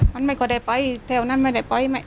มันก็ได้ไปเทวนั้นไม่ได้ไปไหม